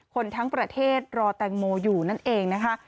คนทั้งประเทศรอแตงโมอยู่นั่นเองนะคะ